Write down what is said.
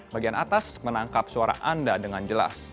bagian atas menangkap suara anda dengan jelas